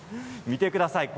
見てください。